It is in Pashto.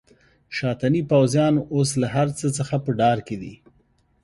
شاتني پوځیان اوس له هرڅه څخه په ډار کې دي.